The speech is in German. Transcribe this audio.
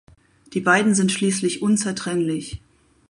Die beiden sind schließlich unzertrennlich.